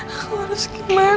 aku harus gimana